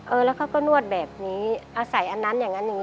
แล้วเขาก็นวดแบบนี้อาศัยอันนั้นอย่างนั้นอย่างนี้